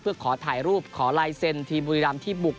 เพื่อขอถ่ายรูปขอลายเซ็นทีมบุรีรำที่บุก